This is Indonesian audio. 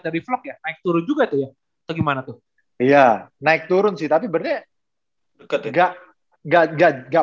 di blog ya naik turun juga itu ya bagaimana tuh iya naik turun sih tapi berdeket enggak enggak enggak